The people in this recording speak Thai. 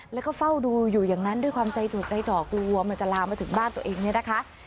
แล้วก็เฝ้าดูอยู่อย่างนั้นด้วยความใจจูดใจจ่อกลัวมันจะลามมาถึงบ้านตัวเองเนี่ยนะคะ